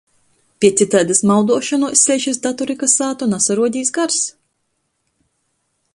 Piec itaidys mauduošonuos ceļš iz datorika sātu nasaruodīs gars.